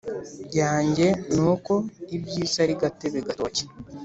yange ni uko ibyisi ari gatebe gatoki